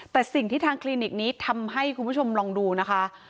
แต่สิ่งที่ทางคลินิกนี้ทำให้คุณผู้ชมลองดูนะคะ